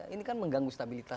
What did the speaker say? ini kan mengganggu stabilitas